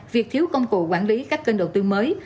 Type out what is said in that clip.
việc thiếu công cụ quản lý các kênh đầu tư mới